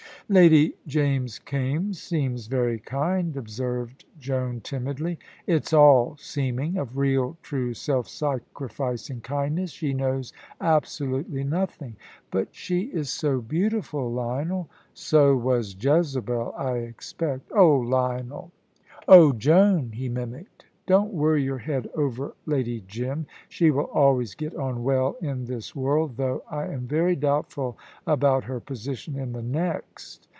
"Lady James Kaimes seems very kind," observed Joan, timidly. "It's all seeming. Of real, true, self sacrificing kindness she knows absolutely nothing." "But she is so beautiful, Lionel." "So was Jezebel, I expect." "Oh, Lionel!" "Oh, Joan!" he mimicked. "Don't worry your head over Lady Jim. She will always get on well in this world, though I am very doubtful about her position in the next.